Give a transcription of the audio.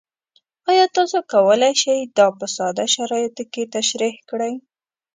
ایا تاسو کولی شئ دا په ساده شرایطو کې تشریح کړئ؟